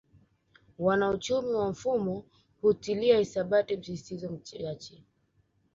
Wanauchumi wa mfumo hutilia hisabati msisitizo mchache